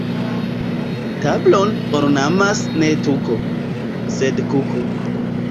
Tablon ornamas ne tuko, sed kuko.